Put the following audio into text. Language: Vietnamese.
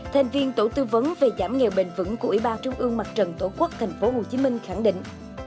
thành viên tổ tư vấn về giảm nghèo bền vững của ủy ban trung ương mặt trận tổ quốc tp hcm khẳng định